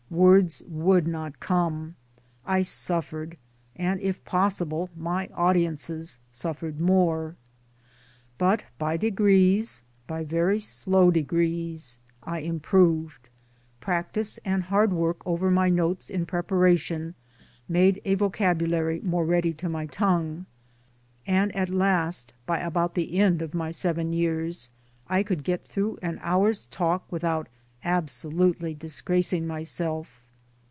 Words would not come. I suffered ; and if possible my audiences suffered more ! But by degrees, by very slow degrees, I improved ; prac tice and hard work over my notes in preparation made a vocabulary more ready to my tongue ; and at last, by about the end of my seven years, I could get through an hour's talk without absolutely disgracing myself